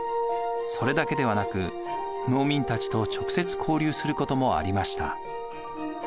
それだけではなく農民たちと直接交流することもありました。